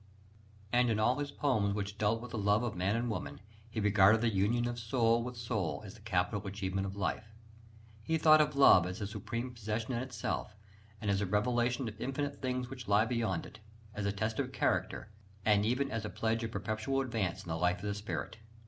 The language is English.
And in all his poems which deal with the love of man and woman, "he regarded the union of soul with soul as the capital achievement of life." He thought of love "as a supreme possession in itself, and as a revelation of infinite things which lie beyond it: as a test of character, and even as a pledge of perpetual advance in the life of the spirit."